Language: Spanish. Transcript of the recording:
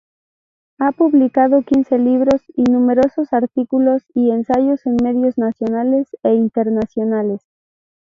Ha publicado quince libros y numerosos artículos y ensayos en medios nacionales e internacionales.